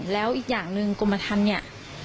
แล้วอีกอย่างหนึ่งกรมธรรมเนี่ย